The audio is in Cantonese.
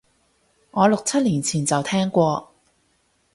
我六七年前就聽過